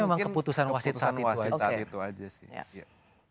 ini memang keputusan wasid saat itu aja sih